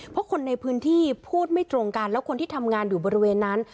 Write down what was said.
เพราะคนในพื้นที่พูดไม่ตรงกันแล้วคนที่ทำงานอยู่บริเวณนั้น